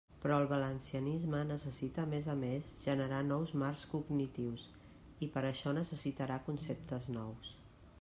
Però el valencianisme necessita a més a més generar nous marcs cognitius, i per això necessitarà conceptes nous.